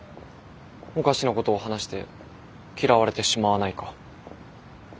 おかしなことを話して嫌われてしまわないか。